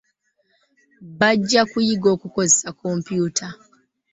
Bajja kuyiga okukozesa kompyuta.